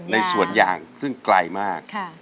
ในสวนยางซึ่งไกลมาก